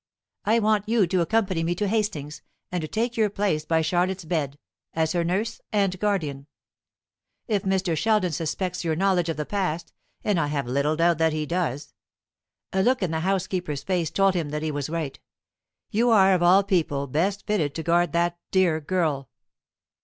I want you to accompany me to Hastings, and to take your place by Charlotte's bed, as her nurse and guardian. If Mr. Sheldon suspects your knowledge of the past, and I have little doubt that he does" a look in the housekeeper's face told him that he was right "you are of all people best fitted to guard that dear girl.